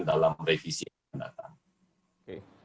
dalam revisi yang akan datang